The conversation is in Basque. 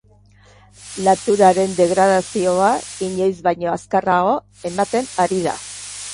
Naturaren degradazioa inoiz baino azkarrago ematen ari da.